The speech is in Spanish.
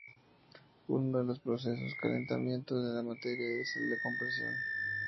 Uno de los procesos de calentamiento de la materia es el de la compresión.